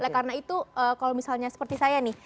karena itu kalau misalnya seperti saya nih